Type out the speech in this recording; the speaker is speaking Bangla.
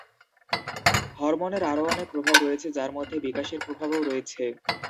হরমোনের আরও অনেক প্রভাব রয়েছে, যার মধ্যে বিকাশের প্রভাবও রয়েছে।